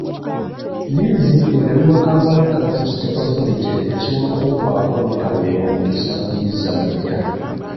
Liizi egabibwa Kampala Capital City Authority esobola okuggwako n'otaweebwa mukisa kugizza buggya.